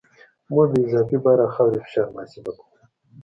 موږ د اضافي بار او خاورې فشار محاسبه کوو